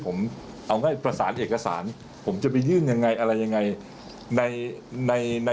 ผมเอาง่ายประสานเอกสารผมจะไปยื่นยังไงอะไรยังไงในใน